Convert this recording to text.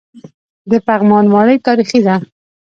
د پغمان ماڼۍ تاریخي ده